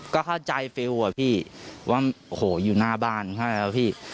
ก็เข้าใจฟิลว่าพี่ว่าโหอยู่หน้าบ้านครับพี่